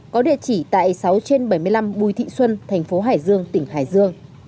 có địa chỉ tại sáu trên bảy mươi năm bùi thị xuân thành phố hải dương tỉnh hải dương